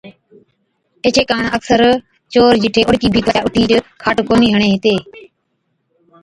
ايڇي ڪاڻ اڪثر چور جِٺي اوڏڪِي ڀِيت هُوَي ڇَي، اُٺِيچ کاٽ ڪونهِي هڻي هِتي۔